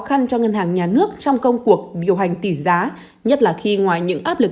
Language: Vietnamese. khăn cho ngân hàng nhà nước trong công cuộc điều hành tỷ giá nhất là khi ngoài những áp lực